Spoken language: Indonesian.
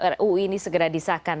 ruu ini segera disahkan